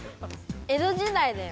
江戸時代だよ。